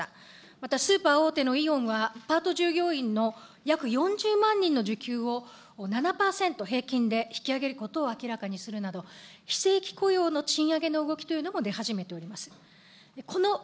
また、スーパー大手のイオンは、パート従業員の約４０万人のを７％平均で引き上げることを明らかにするなど、非正規雇用の賃上げの動きというのも、出始めております。